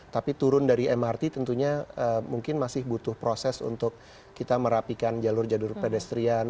tapi turun dari mrt tentunya mungkin masih butuh proses untuk kita merapikan jalur jalur pedestrian